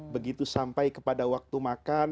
begitu sampai kepada waktu makan